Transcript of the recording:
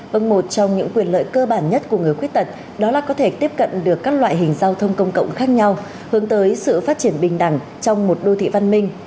vâng một trong những quyền lợi cơ bản nhất của người khuyết tật đó là có thể tiếp cận được các loại hình giao thông công cộng khác nhau hướng tới sự phát triển bình đẳng trong một đô thị văn minh